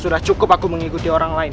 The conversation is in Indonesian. sudah cukup aku mengikuti orang lain